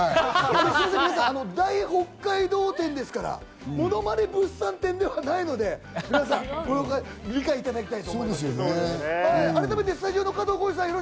すみません、皆さん、大北海道展ですから、ものまね物産展ではないので、みなさん、ご了解していただきたいと思います。